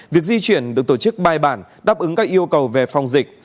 việc di chuyển được tổ chức bài bản đáp ứng các yêu cầu về phòng dịch